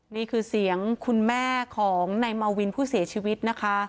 นี่คือเสียงคุณแม่ของนายมาวินผู้เสียชีวิตนะคะ